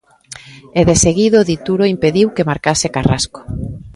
E deseguido Dituro impediu que marcase Carrasco.